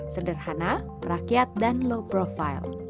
sederhana rakyat dan low profile